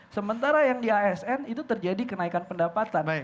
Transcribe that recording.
sementara yang di asn itu terjadi kenaikan pendapatan